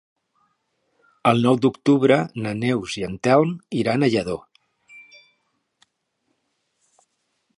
El nou d'octubre na Neus i en Telm iran a Lladó.